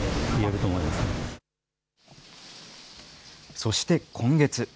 そして今月。